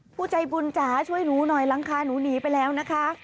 ผู้ใจบุญจ๋าช่วยหนูหน่อยหลังคาหนูหนีไปแล้วนะคะ